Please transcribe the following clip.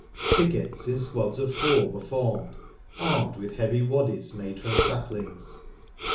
. Pickets, in squads of four, were formed, armed with heavy waddies made from saplings.